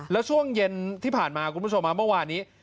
แล้วช่วงเย็นที่ผ่านมาคุณผู้ชมเมื่อวานนี้